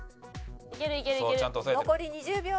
残り２０秒。